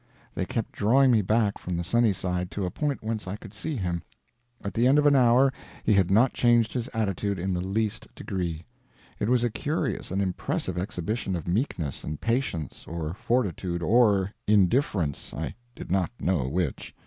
They kept drawing me back from the sunny side to a point whence I could see him. At the end of an hour he had not changed his attitude in the least degree. It was a curious and impressive exhibition of meekness and patience, or fortitude or indifference, I did not know which.